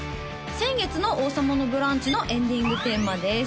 先月の「王様のブランチ」のエンディングテーマです